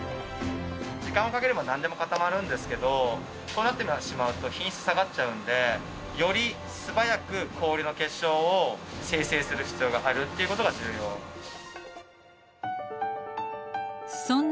時間をかければなんでも固まるんですけどそうなってしまうと品質下がっちゃうんでより素早く氷の結晶を生成する必要があるってことが重要。